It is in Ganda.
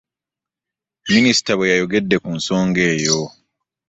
Minisita byeyayogedded ku nsonga eyo .